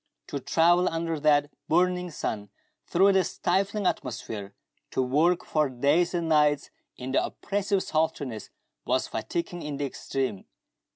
To travel under that burning sun through the stifling atmosphere, to work for days and nights in the oppressive sultriness, was fatiguing in the extreme.